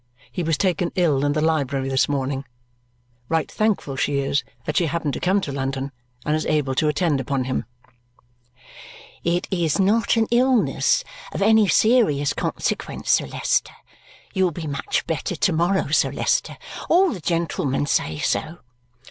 He was taken ill in the library this morning. Right thankful she is that she happened to come to London and is able to attend upon him. "It is not an illness of any serious consequence, Sir Leicester. You will be much better to morrow, Sir Leicester. All the gentlemen say so."